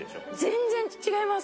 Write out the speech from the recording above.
全然違います！